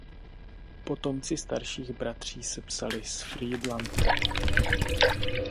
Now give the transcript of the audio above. Potomci starších bratří se psali z Frýdlantu.